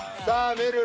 めるる